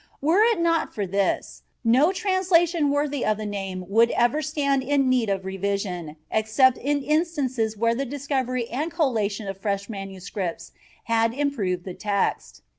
Were it not for this, no translation worthy of the name would ever stand in need of revision, except in instances where the discovery and collation of fresh manuscripts had improved the text.